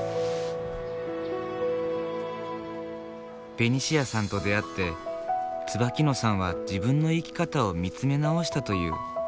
ベニシアさんと出会って椿野さんは自分の生き方を見つめ直したという。